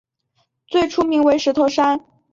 最初名为石头山。